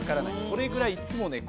それぐらいいっつもね